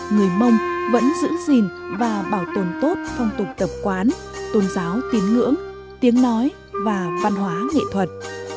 người mông vẫn giữ gìn và bảo tồn tốt phong tục tập quán tôn giáo tín ngưỡng tiếng nói và văn hóa nghệ thuật